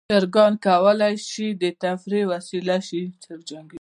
چرګان کولی شي د تفریح وسیله شي.